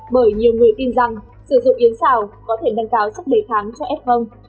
bởi nhiều người tin rằng sử dụng yến xào có thể nâng cao chất đề kháng cho ép vâng